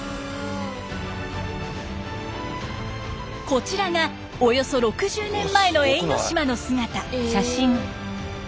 こちらがおよそ６０年前の永ノ島の姿。